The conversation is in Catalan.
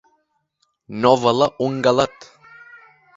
No valer un galet.